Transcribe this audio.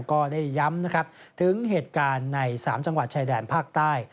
ก็ได้ย้ำนะครับถึงเหตุการณ์ใน๓จังหวัดชายแดนภาคใต้